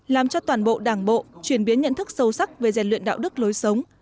làm cho toàn bộ đảng bộ chuyển biến nhận thức sâu sắc về rèn luyện đạo đức lối sống